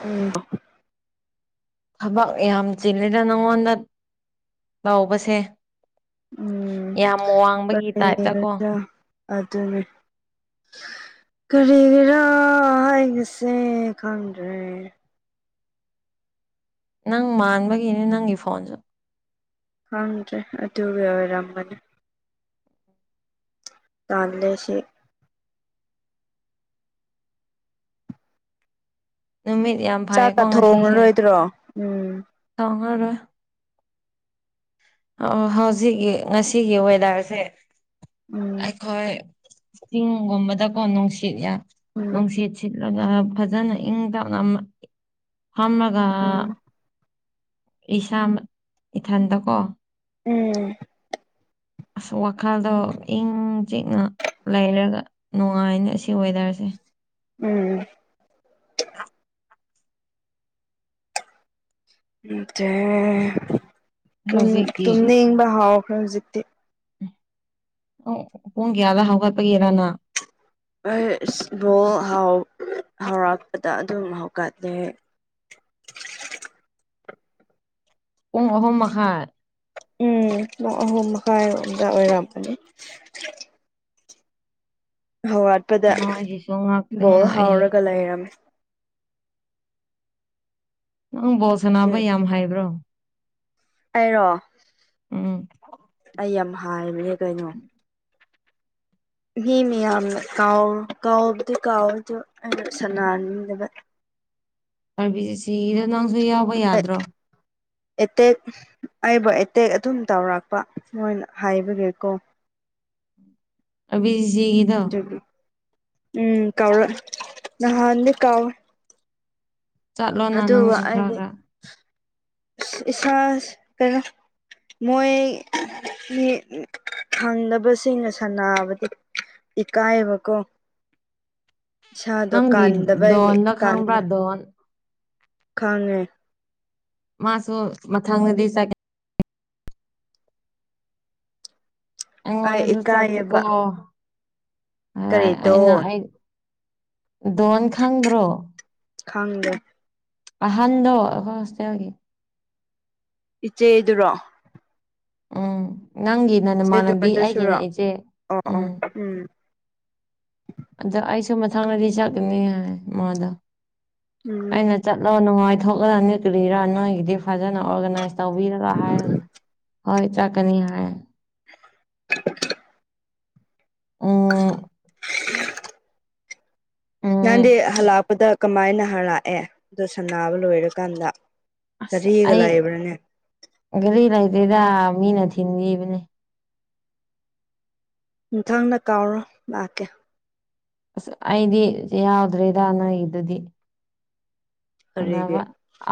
ꯎꯝ ꯊꯕꯛ ꯌꯥꯝ ꯆꯤꯜꯂꯤꯗ ꯅꯉꯣꯟꯗ ꯇꯧꯕꯁꯦ ꯎꯝ ꯌꯥꯝ ꯋꯥꯡꯕꯒꯤ ꯇꯥꯏꯞꯇ ꯀꯣ ꯑꯗꯨ ꯑꯗꯨꯅꯦ ꯀꯔꯤꯒꯔꯥ ꯑꯩꯒꯤꯁꯦ ꯈꯪꯗ꯭ꯔꯦ ꯅꯪ ꯃꯥꯟꯕꯒꯤꯅꯦ ꯅꯪꯒꯤ ꯐꯣꯟꯁꯨ ꯈꯪꯗ꯭ꯔꯦ ꯑꯗꯨ ꯑꯣꯏꯔꯝꯕꯅꯤ ꯇꯥꯟꯂꯦ ꯁꯤ ꯅꯨꯃꯤꯠ ꯌꯥꯝ ꯆꯥꯛꯀ ꯐꯩꯌꯦꯀꯣ ꯊꯣꯡꯉꯔꯣꯏꯗ꯭ꯔꯣ ꯎꯝ ꯊꯣꯡꯉꯔꯣꯏ ꯑꯣ ꯍꯧꯖꯤꯛꯀꯤ ꯉꯁꯤꯒꯤ ꯋꯦꯗꯔꯁꯦ ꯎꯝ ꯑꯩꯈꯣꯏ ꯆꯤꯡꯒꯨꯝꯕꯗꯀꯣ ꯅꯨꯡꯁꯤꯠꯅ ꯎꯝ ꯅꯨꯡꯁꯤꯠꯁꯤ ꯐꯖꯅ ꯏꯪ ꯇꯞꯅ ꯍꯥꯝꯂꯒ ꯎꯝ ꯏꯁꯥ ꯏꯊꯟꯗꯀꯣ ꯎꯝ ꯑꯁ ꯋꯥꯈꯜꯗꯣ ꯏꯪ ꯆꯤꯛꯅ ꯂꯩꯔꯒ ꯅꯨꯡꯉꯥꯏꯅꯦ ꯁꯤ ꯋꯦꯗꯔꯁꯦ ꯎꯝ ꯑ [inaudible] ꯑꯦ ꯍꯧꯖꯤꯛꯀꯤ ꯇꯨꯝꯅꯤꯡꯕ ꯍꯥꯎꯈ꯭ꯔꯦ ꯍꯧꯖꯤꯛ ꯑꯣ ꯄꯨꯡ ꯀꯌꯥꯗ ꯍꯧꯒꯠꯄꯒꯦꯔ ꯅꯪ ꯍ ꯕꯣꯜ ꯍꯥꯎꯔꯛꯄꯗ ꯑꯗꯨꯝ ꯍꯧꯒꯠꯂꯦ ꯄꯨꯡ ꯑꯍꯨꯝ ꯃꯈꯥꯏ ꯎꯝ ꯄꯨꯡ ꯑꯍꯨꯝ ꯃꯈꯥꯏꯔꯣꯝꯗ ꯑꯣꯏꯔꯝꯕꯅꯤ ꯍꯧꯒꯠꯄꯗ ꯅꯣꯏꯒꯤꯁꯨ ꯉꯥꯛꯇꯤ ꯕꯣꯜ ꯉꯥꯛꯑꯦ ꯍꯥꯎꯔꯒ ꯂꯩꯔꯝꯃꯦ ꯅꯪ ꯕꯣꯜ ꯁꯅꯥꯟꯅꯕ ꯌꯥꯝ ꯍꯩꯕ꯭ꯔꯣ ꯑꯩꯔꯣ ꯎꯝ ꯑꯩ ꯌꯥꯝ ꯍꯩꯔꯤꯕꯅꯦ ꯀꯩꯅꯣ ꯃꯤ ꯃꯤꯌꯥꯝꯅ ꯀꯥꯎ ꯀꯥꯎꯕꯗꯤ ꯀꯥꯎꯋꯦ ꯑꯗꯨ ꯑꯩꯅ ꯁꯥꯟꯅꯍꯟꯅꯤꯡꯗꯕ ꯑꯥꯔꯕꯤꯁꯤ ꯁꯤꯗ ꯅꯪꯁꯨ ꯌꯥꯎꯕ ꯌꯥꯗ꯭ꯔꯣ ꯑꯦꯇꯦꯛ ꯑꯩꯕꯨ ꯑꯦꯇꯦꯛ ꯑꯗꯨꯝ ꯇꯧꯔꯛꯄ ꯃꯣꯏꯅ ꯍꯥꯏꯕꯒꯤꯀꯣ ꯑꯕꯤꯁꯤꯒꯤ [inaudible] ꯎꯝ ꯀꯥꯎ ꯅ ꯀꯥꯎ ꯆꯠꯂꯣꯅ ꯅꯪꯁꯨ ꯈꯔ ꯈꯔ ꯏꯁꯁ ꯀ [inaudible] ꯃꯣꯏ ꯐꯪꯗꯅꯕꯁꯤꯡꯅ ꯁꯥꯟꯅꯥꯕꯗꯤ ꯏꯀꯥꯏꯑꯕꯀꯣ ꯅꯪꯒꯤ ꯀꯥꯟꯗꯕꯒꯤ ꯗꯣꯟꯗꯣ ꯀꯥꯟ ꯈꯪꯕꯔꯥ ꯗꯣꯟ ꯈꯪꯉꯦ ꯃꯥꯁꯨ ꯃꯊꯪꯗꯗꯤ ꯑꯩ ꯑꯩꯉꯣꯟꯗꯁꯨ ꯆꯠꯁꯤꯀꯣ ꯏꯀꯥꯏꯌꯦꯕ ꯍꯥꯏꯔꯛ ꯑꯦ ꯀꯔꯤꯗꯣ ꯑꯩꯅꯥ ꯑꯩ ꯗꯣꯟ ꯈꯗ꯭ꯔꯣ ꯈꯪꯗꯦ ꯑꯍꯥꯟꯕꯗꯣ ꯑꯩꯈꯣꯏ ꯍꯣꯁꯇꯦꯜꯒꯤ ꯏꯆꯦꯗꯨꯔꯣ ꯎꯝ ꯅꯪꯒꯤꯅ ꯅꯃꯥꯟꯅꯕꯤ ꯑꯩꯒꯤꯅ ꯆꯦꯗꯨꯗꯨꯁꯨꯔꯣ ꯏꯆꯦ ꯑꯣ ꯑꯣ ꯎꯝ ꯎꯝ ꯑꯗꯨ ꯑꯩꯁꯨ ꯃꯊꯪꯅꯗꯤ ꯆꯠꯀꯅꯤ ꯍꯥꯏ ꯃꯥꯗ ꯎꯝ ꯑꯩꯅ ꯆꯠꯂꯣ ꯅꯨꯡꯉꯥꯏꯊꯣꯛꯂ ꯅꯤꯂꯤꯔꯥ ꯅꯣꯏꯒꯤꯗꯤ ꯐꯖꯅ ꯑꯣꯔꯒꯅꯥꯏꯁ ꯇꯧꯕꯤꯔꯒ ꯍꯥꯏꯔꯒ ꯍꯣꯏ ꯆꯥꯛꯀꯅꯤ ꯍꯥꯏꯌꯦ ꯎꯝ [inaudible] ꯅꯍꯪꯗꯤ ꯎꯝ ꯍꯜꯂꯥꯛꯄꯗ ꯀꯃꯥꯏꯅ ꯍꯥꯂꯛꯑꯦ ꯑꯗꯨꯗ ꯁꯥꯟꯅꯕꯥ ꯂꯣꯏꯔꯀꯥꯟꯗ ꯑꯁ ꯒꯥꯔꯤꯒ ꯑꯩ ꯂꯩꯕ꯭ꯔꯅꯦ ꯒꯥꯔꯤ ꯂꯩꯇꯦꯗ ꯃꯤꯅ ꯊꯤꯟꯕꯤꯕꯅꯦ ꯃꯊꯪꯗ ꯀꯥꯎꯔꯣ ꯂꯥꯛꯀꯦ ꯑꯁ ꯑꯩꯗꯤ ꯌꯥꯎꯗ꯭ꯔꯦꯗ ꯅꯣꯏꯒꯤꯗꯨꯗꯤ ꯀꯔꯤꯒꯤ ꯑꯅꯕ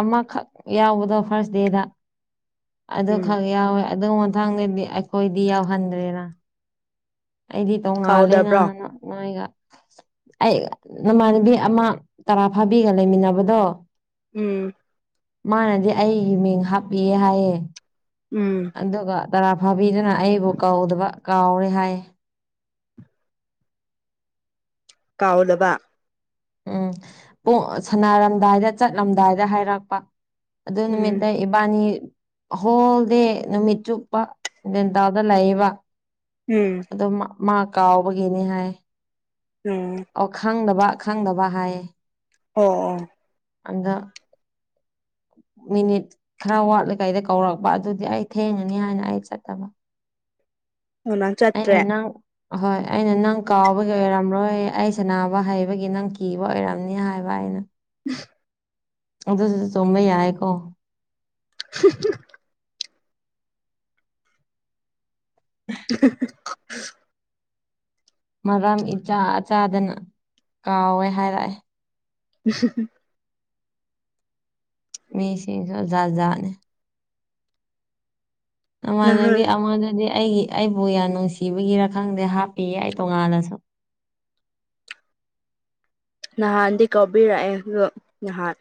ꯑꯃꯈꯛ ꯌꯥꯎꯕꯗꯣ ꯐꯥꯔꯁ ꯗꯦꯗ ꯑꯗꯨ ꯎꯝ ꯈꯛ ꯌꯥꯎꯋꯦ ꯑꯗꯨ ꯃꯊꯪꯗꯗꯤ ꯑꯩꯈꯣꯏꯗꯤ ꯌꯥꯎꯍꯟꯗ꯭ꯔꯦꯅ ꯑꯩꯗꯤ ꯇꯣꯡꯉꯥꯜꯂꯦꯅ ꯀꯥꯎꯗꯕ꯭ꯔꯣ ꯅꯣꯏꯒ ꯑꯩ ꯅꯃꯥꯟꯅꯕꯤ ꯑꯃ ꯇꯔꯥ ꯐꯥꯕꯤꯒ ꯂꯩꯃꯤꯟꯅꯕꯗꯣ ꯎꯝ ꯃꯥꯅꯗꯤ ꯑꯩꯒꯤ ꯃꯤꯡ ꯍꯥꯞꯄꯤꯌꯦ ꯍꯥꯏꯌꯦ ꯎꯝ ꯑꯗꯨꯒ ꯇꯔꯥ ꯐꯥꯕꯤꯗꯨꯅ ꯑꯩꯕꯨ ꯀꯧꯗꯕ ꯀꯥꯎꯔꯦ ꯍꯥꯏꯌꯦ ꯀꯥꯎꯗꯕ ꯎꯝ ꯄꯨꯡ ꯁꯅꯔꯝꯗꯥꯏꯗ ꯆꯠꯂꯝꯗꯥꯏꯗ ꯍꯥꯏꯔꯛꯄ ꯑꯗꯨ ꯎꯝ ꯅꯨꯃꯤꯠꯇꯩ ꯏꯕꯥꯟꯅꯤ ꯍꯣꯜꯗꯤ ꯅꯨꯃꯤꯠ ꯆꯨꯞꯄ ꯎꯝ ꯑꯗꯨꯝ ꯃꯥ ꯀꯥꯎꯕꯒꯤꯅꯤ ꯍꯥꯏ ꯎꯝ ꯑꯣ ꯈꯪꯗꯕ ꯈꯪꯗꯕ ꯍꯥꯏꯌꯦ ꯑꯣ ꯑꯣ ꯑꯗ ꯃꯤꯅꯤꯠ ꯈꯔ ꯋꯥꯠꯂꯤꯀꯩꯗ ꯀꯧꯔꯛꯄ ꯑꯗꯨꯗꯤ ꯑꯩ ꯊꯦꯡꯉꯅꯤ ꯍꯥꯏꯅ ꯑꯩ ꯆꯠꯇꯕ ꯑꯣ ꯅꯪ ꯆꯠꯇ꯭ꯔꯦ ꯑꯩꯅ ꯅꯪ ꯑꯍꯣꯏ ꯑꯩꯅ ꯅꯪ ꯀꯥꯎꯕꯒꯤ ꯑꯣꯏꯔꯝꯔꯣꯏ ꯑꯩ ꯁꯅꯥꯕ ꯍꯩꯕꯒꯤ ꯅꯪ ꯀꯤꯕ ꯑꯣꯏꯔꯝꯅꯤ ꯍꯥꯏꯕ ꯑꯩꯅ ꯎ ꯑꯗꯨ ꯁꯤꯗ ꯆꯣꯡꯕꯩ ꯌꯥꯏꯀꯣ [inaudible] [unintelligible] ꯃꯔꯝ ꯏꯆꯥ ꯑꯆꯥꯗꯅ ꯀꯥꯎꯋꯦ ꯍꯥꯏꯔꯛꯑꯦ [inaudible] ꯃꯤꯁꯤꯡꯁꯨ ꯖꯥ ꯖꯥꯠꯅꯤ ꯅꯃꯥꯟꯅꯕꯤ ꯅꯍꯥꯟ ꯑꯃꯗꯨꯗꯤ ꯑꯩꯒꯤ ꯑꯩꯕꯨ ꯌꯥꯝ ꯅꯨꯡꯁꯤꯕꯒꯤꯔ ꯈꯪꯗꯦ ꯍꯥꯞꯄꯤꯌꯦ ꯑꯩ ꯇꯣꯉꯥꯟꯅꯁꯨ ꯅꯍꯥꯟꯗꯤ ꯀꯕꯤꯔꯛꯑꯦ ꯅꯍꯥꯟ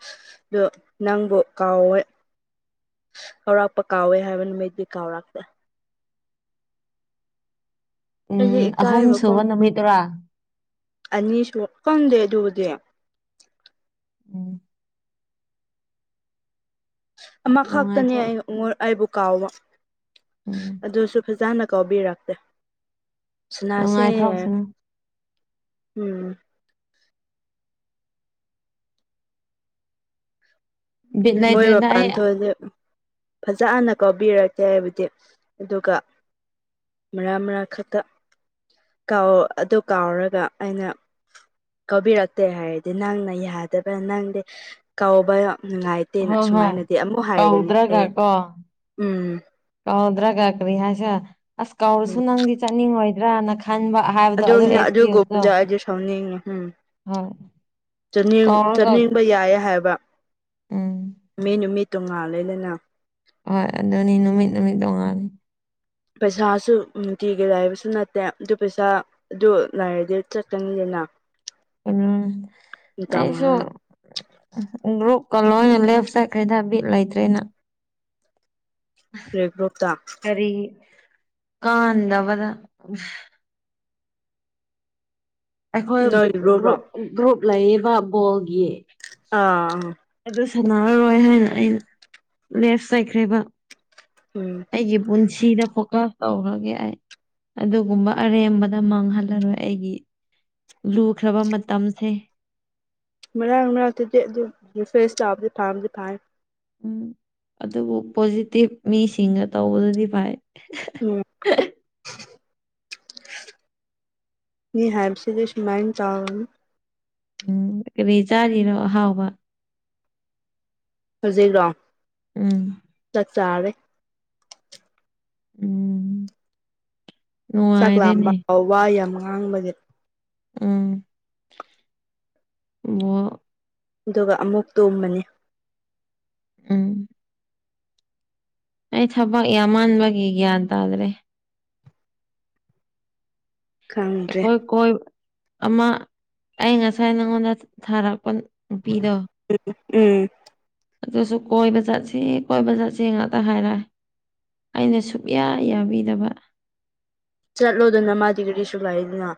ꯑꯗꯨ ꯅꯪꯕꯨ ꯀꯥꯎꯋꯦ ꯀꯧꯔꯥꯛꯄ ꯀꯥꯎꯋꯦ ꯍꯥꯏꯕ ꯅꯨꯃꯤꯠꯇ ꯀꯥꯎꯔꯥꯛꯛꯇꯦ ꯎꯝ ꯑꯩꯁꯦ ꯏꯀꯥꯏꯕꯀꯣ ꯑꯍꯨꯝꯁꯨꯨꯕ ꯅꯨꯃꯤꯠꯇꯔꯥ ꯑꯅꯤꯁꯨ ꯈꯪꯗꯦ ꯑꯗꯨꯕꯨꯗꯤ ꯎꯝ ꯑꯃ ꯈꯛꯇꯅꯦ ꯅꯨꯡꯉꯥꯏꯊꯣꯛ ꯑꯩ ꯑꯩꯕꯨ ꯀꯥꯎꯕ ꯎꯝ ꯑꯗꯨꯁꯨ ꯐꯖꯅ ꯀꯥꯎꯕꯤꯔꯛꯇꯦ ꯁꯅꯁꯦ ꯅꯨꯡꯉꯥꯏꯊꯣꯛꯁꯅꯨ ꯎꯝ ꯕꯤꯠ ꯃꯣꯏ ꯂꯩꯇꯦꯗ ꯃꯄꯥꯟ ꯑꯩ ꯊꯣꯛꯑꯗꯦ ꯐꯖ ꯍꯅ ꯀꯥꯎꯕꯤꯔꯀꯦ ꯍꯥꯏꯕꯗꯤ ꯑꯗꯨꯒ ꯃꯔꯥ ꯃꯔꯥꯡ ꯈꯛꯇ ꯀꯥꯎ ꯑꯗꯨ ꯀꯥꯎꯔꯒ ꯑꯩꯅ ꯀꯧꯕꯥꯎꯤꯔꯛꯇꯦ ꯍꯥꯏꯔꯗꯤ ꯅꯪꯅ ꯌꯥꯗꯕ ꯅꯪꯗꯤ ꯀ ꯅꯨꯡꯉꯥꯏꯇꯦ ꯅꯠꯇꯦꯅ ꯍꯣꯏ ꯍꯣꯏ ꯁꯨꯃꯥꯏꯅꯗꯤ ꯑꯃꯨꯛ ꯍꯥꯏꯔꯒꯅꯤ ꯀꯧꯗ꯭ꯔꯒ ꯑꯩ ꯀꯣ ꯎꯝ ꯀꯧꯗ꯭ꯔꯒ ꯀꯔꯤ ꯍꯥꯏꯁꯦ ꯑꯁ ꯀꯧꯔꯁꯨ ꯅꯪꯗꯤ ꯆꯠꯅꯤꯡꯉꯣꯏꯗ꯭ꯔꯅ ꯈꯟꯕ ꯍꯥꯏꯕꯗꯣ ꯑꯗꯨ ꯑꯦꯛꯁꯀ꯭ꯌꯨꯁꯇꯣ ꯑꯗꯨꯒꯣꯝꯗ ꯑꯩ ꯁꯥꯎꯅꯤꯡ ꯍꯣꯏ ꯀꯧꯔꯒ ꯆꯥꯅꯤꯡꯕ ꯌꯥꯏꯌꯦ ꯍꯥꯏꯕ ꯎꯝ ꯃꯤ ꯅꯨꯃꯤ ꯇꯣꯉꯥꯜ ꯂꯩꯗꯅ ꯍꯣꯏ ꯑꯗꯨꯅꯤ ꯅꯨꯃꯤꯠ ꯅꯨꯃꯤꯠ ꯇꯣꯡꯉꯥꯅꯤ ꯄꯩꯁꯥꯁꯨ ꯅꯨꯡꯇꯤꯒꯤ ꯂꯥꯏꯕꯁꯨ ꯅꯠꯇꯦ ꯑꯗꯨ ꯄꯩꯁꯥ ꯑꯗꯨꯣ ꯅꯅꯥꯔꯗꯦ ꯆꯠꯀꯅꯤꯡꯗꯦꯅ ꯎꯝ ꯑꯩꯁꯨꯣ ꯒ꯭ꯔꯨꯞꯀ ꯂꯣꯏꯅ ꯂꯦꯞ ꯁꯥꯏꯠꯈꯩꯗ ꯕꯤꯠ ꯂꯩꯇ꯭ꯔꯦꯅ ꯔꯔꯤꯒ꯭ꯔꯨꯞꯇ ꯔꯤ ꯀꯥꯗ ꯄ ꯅꯣꯏꯒꯤ ꯒ꯭ꯔꯨꯞꯔꯣ ꯑꯩꯈꯣꯏ꯭ꯔꯨꯞ ꯒ꯭ꯔꯨꯞ ꯂꯩꯔꯤꯕ ꯕꯣꯜꯒꯤ ꯑꯥ ꯑꯥ ꯑꯗꯨ ꯁꯥꯟꯅꯔꯔꯣꯏ ꯍꯥꯏꯅ ꯑꯩ ꯂꯦꯐ ꯆꯩꯈ꯭ꯔꯦꯔꯤꯕ ꯎꯝ ꯑꯩꯒꯤ ꯄꯨꯟꯁꯤꯗ ꯐꯣꯀꯁ ꯇꯧꯈꯒꯦ ꯑꯩ [inaudible] finh ꯑꯗꯨꯒꯨꯝꯕ ꯑꯔꯦꯝꯕꯗ ꯃꯥꯡꯍꯜꯂꯔꯣꯏ ꯑꯩꯒꯤ ꯂꯨꯈ꯭ꯔꯕ ꯃꯇꯝꯁꯦ ꯃꯔꯥꯡ ꯃꯔꯅꯥꯛꯇꯗꯤ ꯑꯗꯨ ꯐꯦꯁ ꯆꯥꯕꯗꯤ ꯐꯥꯝꯗꯤ ꯐꯥꯏ ꯎꯝ ꯑꯗꯨꯕꯨ ꯄꯣꯖꯤꯇꯤꯚ ꯃꯤꯁꯤꯡꯒ ꯇꯧꯕꯗꯗꯤ ꯐꯩ ꯎꯝ ꯃꯤ ꯍꯥꯏꯕꯁꯤꯗꯤ ꯁꯨꯃꯥꯏꯅ [unintelligible] ꯎꯝ ꯀꯔꯤ ꯆꯥꯔꯤꯔꯣ ꯑꯍꯥꯎꯕ ꯍꯧꯖꯤꯛꯔꯣ ꯎꯝ ꯆꯥꯛ ꯆꯥꯔꯤ ꯎꯝ ꯆꯥꯛ ꯂꯥꯝꯕ ꯅꯨꯡꯉꯥꯏꯔꯦꯅꯦ ꯋꯥ ꯌꯥꯝ ꯉꯥꯡꯕꯒꯤ ꯎꯝ [unintelligible] ꯑꯗꯨꯒ ꯑꯃꯨꯛ ꯇꯣꯝꯃꯅꯤ ꯎꯝ ꯑꯩ ꯊꯕꯛ ꯌꯥꯝꯃꯥꯟꯕꯒꯤ ꯒ꯭ꯌꯥꯟ ꯇꯥꯗ꯭ꯔꯦ ꯈꯪꯗꯔꯦ ꯀꯣꯏꯕ ꯑꯃ ꯑꯩ ꯉꯁꯥꯏ ꯅꯉꯣꯟꯗ ꯊꯥꯔꯛꯄ ꯅꯨꯄꯤꯗꯣ ꯎꯝ ꯑꯗꯨꯁꯨ ꯀꯣꯏꯕ ꯆꯠꯁꯤ ꯀꯣꯏꯕ ꯆꯠꯁꯤ ꯉꯥꯛꯇ ꯍꯥꯏꯔꯛꯑꯦ ꯑꯩꯅ ꯁꯨꯛꯌꯥ ꯌꯥꯕꯤꯗꯕ ꯆꯠꯂꯣꯗꯅ ꯃꯥꯗꯤ ꯒꯔꯤꯁꯨ ꯂꯥꯏꯗꯅ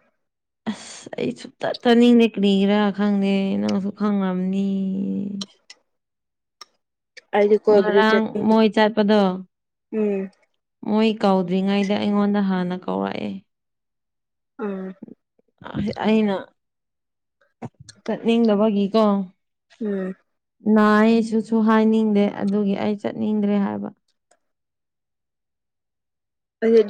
ꯑꯁ ꯑꯩ ꯁꯨꯛꯆꯠ ꯆꯠꯅꯤꯡꯗꯦ ꯀ꯭ꯔꯤꯒꯤꯔꯥ ꯈꯪꯗꯦ ꯅꯪꯁꯨ ꯈꯪꯉꯝꯅꯤ ꯑꯩꯗꯤ ꯀꯣꯏꯕꯗꯤ ꯉꯔꯥꯡ ꯆꯠꯅꯤꯡ ꯃꯣꯏ ꯆꯠꯄꯗꯣ ꯎꯝ ꯃꯣꯏ ꯀꯧꯗ꯭ꯔꯤꯉꯩꯗ ꯑꯩꯉꯣꯟꯗ ꯍꯥꯟꯅ ꯀꯧꯔꯛꯑꯦ ꯎꯝ ꯑ ꯑꯩꯅ ꯆꯠꯅꯤꯡꯗꯕꯒꯤꯀꯣ ꯎꯝ ꯅꯥꯏꯁꯤꯁꯨ ꯍꯥꯏꯅꯤꯡꯗꯦ ꯑꯗꯨꯒꯤ ꯑꯩ ꯆꯠꯅꯤꯡꯗ꯭ꯔꯦ ꯍꯥꯏꯕ [unintelligible]